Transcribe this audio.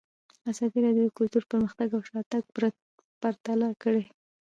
ازادي راډیو د کلتور پرمختګ او شاتګ پرتله کړی.